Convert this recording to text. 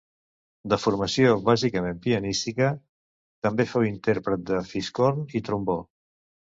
De formació bàsicament pianística, també fou intèrpret de fiscorn i trombó.